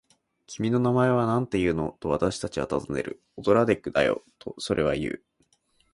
「君の名前はなんていうの？」と、私たちはたずねる。「オドラデクだよ」と、それはいう。